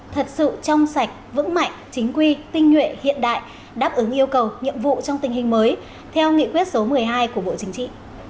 thật sự trong sạch vững mạnh chính quy tinh nhuệ hiện đại đáp ứng yêu cầu nhiệm vụ trong tình hình mới theo nghị quyết số một mươi hai của bộ chính trị